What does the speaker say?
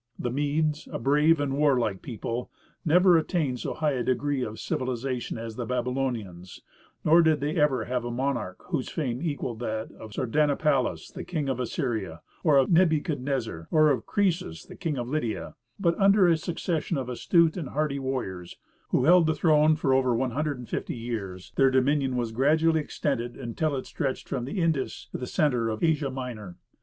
The Medes, a brave and warlike people, never attained to so high a degree of civilization as the Babylonians, nor did they ever have a monarch whose fame equalled that of Sardanapalus, the King of Assyria; of Nebuchadnezzar; or of Croesus, King of Lydia; but under a succession of astute and hardy warriors, who held the throne for something over one hundred and fifty years, their dominion was gradually extended until it stretched from the Indus to the centre of Asia Minor.